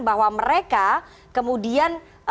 bahwa mereka kemudian